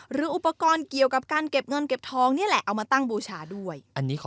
หรืออุปกรณ์เกี่ยวกับการเก็บเงินเก็บทองนี่แหละเอามาตั้งบูชาด้วย